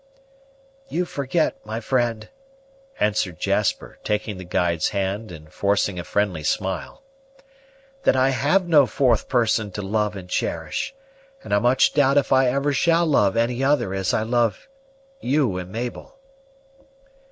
"You forget, my friend," answered Jasper, taking the guide's hand and forcing a friendly smile, "that I have no fourth person to love and cherish; and I much doubt if I ever shall love any other as I love you and Mabel."